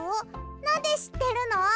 なんでしってるの？